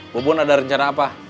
bubun ada rencana apa